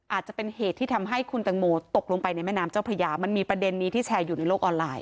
อาจจะเป็นเหตุที่ทำให้คุณตังโมตกลงไปในแม่น้ำเจ้าพระยามันมีประเด็นนี้ที่แชร์อยู่ในโลกออนไลน